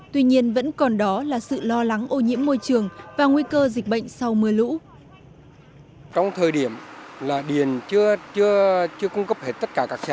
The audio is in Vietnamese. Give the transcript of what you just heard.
tuy nhiên vẫn còn đó là sự lo lắng ô nhiễm môi trường và nguy cơ dịch bệnh sau mưa lũ